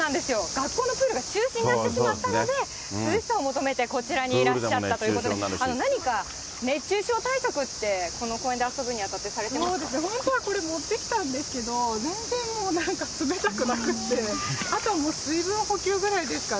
学校のプールが中止になってしまったので、涼しさを求めてこちらにいらっしゃったということで、何か熱中症対策って、この公園で本当はこれ、持ってきたんですけど、全然もう、なんか冷たくなくって、あとはもう水分補給ぐ